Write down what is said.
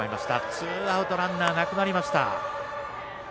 ツーアウトランナーなくなりました。